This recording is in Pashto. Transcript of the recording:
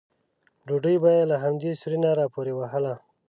ډوډۍ به یې له همدې سوري نه راپورې وهله.